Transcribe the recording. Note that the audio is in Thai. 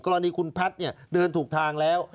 กรณีคุณพัทย์เนี่ยเดินถูกทางแล้ว